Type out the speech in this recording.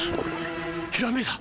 ひらめいた！